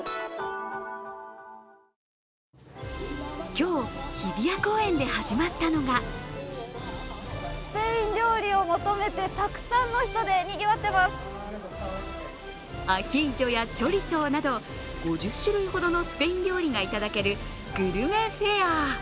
今日、日比谷公園で始まったのがアヒージョやチョリソーなど５０種類ほどのスペイン料理がいただけるグルメフェア。